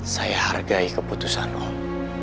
saya hargai keputusan om